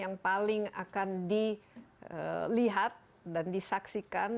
yang paling akan dilihat dan disaksikan